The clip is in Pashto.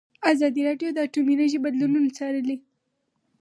ازادي راډیو د اټومي انرژي بدلونونه څارلي.